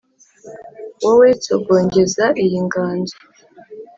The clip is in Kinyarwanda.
Wowe nsogongeza iyi nganzo